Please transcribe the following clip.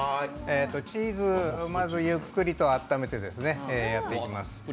チーズ、まずゆっくりと温めてやっていきます。